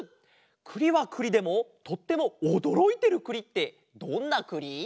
くりはくりでもとってもおどろいてるくりってどんなくり？